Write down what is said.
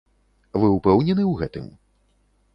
Вы ўпэўнены ў гэтым?